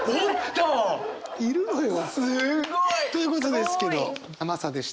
すごい！ということですけど「甘さ」でした。